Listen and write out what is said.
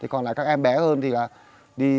còn các em bé hơn thì đi nhặt rác